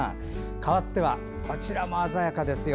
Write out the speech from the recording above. かわってはこちらも鮮やかですよ。